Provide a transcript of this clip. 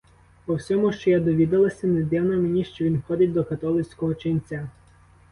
По всьому, що я довідалася, не дивно мені, що він ходить до католицького ченця.